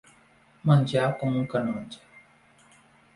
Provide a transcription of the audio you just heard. Menjar com un canonge.